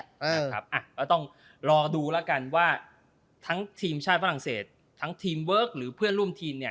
ก็ต้องรอดูแล้วกันว่าทั้งทีมชาติฝรั่งเศสทั้งทีมเวิร์คหรือเพื่อนร่วมทีมเนี่ย